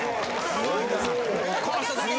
・すごいなぁ。